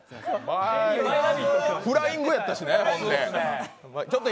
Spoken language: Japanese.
フライングやったしね。